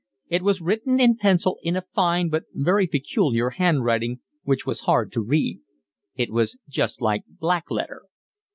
It was written in pencil, in a fine but very peculiar handwriting, which was hard to read: it was just like black letter.